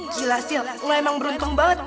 gila sil lo emang beruntung banget